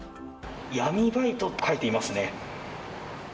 闇バイトと書いていますね。